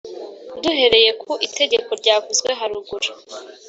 Duhereye ku itegeko ryavuzwe haruguru